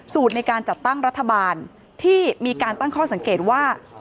ในการจัดตั้งรัฐบาลที่มีการตั้งข้อสังเกตว่า